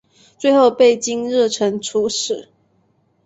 最后被金日成处死。